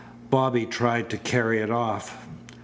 Bobby tried to carry it off.